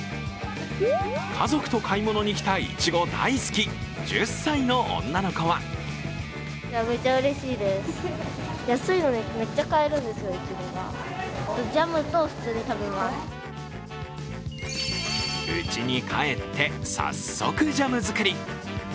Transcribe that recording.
家族と買い物に来たいちご大好き１０歳の女の子はうちに帰って、早速ジャム作り。